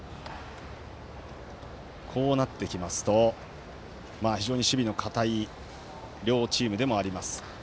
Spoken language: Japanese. こうなってきますと非常に守備の堅い両チームでもあります。